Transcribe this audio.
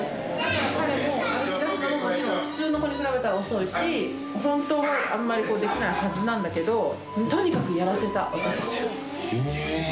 彼も歩き出すのも、普通の子に比べたら遅いし、本当はあんまりできないはずなんだけど、とにかくやらせた、私たちは。